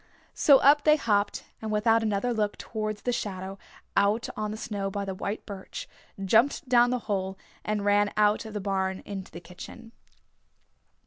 So up they hopped, and without another look towards the shadow out on the snow by the white birch, jumped down the hole, and ran out of the barn into the kitchen.